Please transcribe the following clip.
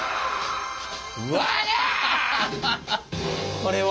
これは？